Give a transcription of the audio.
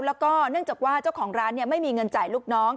แล้วก็เนื่องจากว่าเจ้าของร้านไม่มีเงินจ่ายลูกน้อง